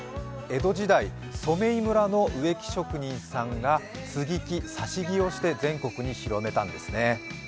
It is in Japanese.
江戸時代、染井村の植木職人さんが接ぎ木、挿し木をして全国に広めたんですね。